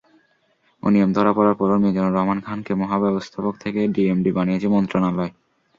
অনিয়ম ধরা পড়ার পরও মিজানুর রহমান খানকে মহাব্যবস্থাপক থেকে ডিএমডি বানিয়েছে মন্ত্রণালয়।